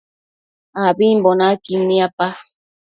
Ambimbo naquid niapa